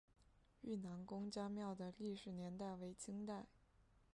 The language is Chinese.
愈南公家庙的历史年代为清代。